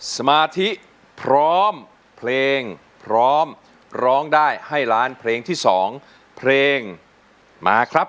สมาธิพร้อมเพลงพร้อมร้องได้ให้ล้านเพลงที่๒เพลงมาครับ